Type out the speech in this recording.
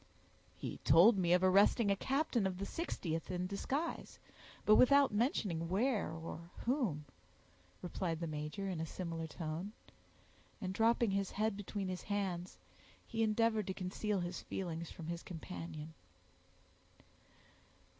"He told me of arresting a captain of the 60th in disguise, but without mentioning where or whom," replied the major in a similar tone; and dropping his head between his hands, he endeavored to conceal his feelings from his companion.